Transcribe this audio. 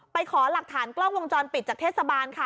ขอหลักฐานกล้องวงจรปิดจากเทศบาลค่ะ